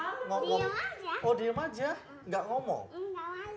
oh diam aja gak ngomong